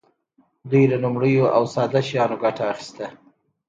دوی له لومړنیو او ساده شیانو ګټه اخیسته.